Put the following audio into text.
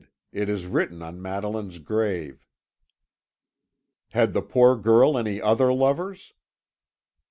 It is written on Madeline's grave." "Had the poor girl any other lovers?"